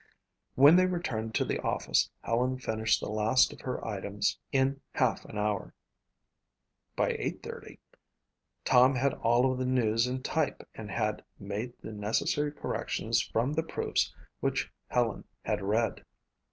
When they returned to the office Helen finished the last of her items in half an hour. By eight thirty Tom had all of the news in type and had made the necessary corrections from the proofs which Helen had read.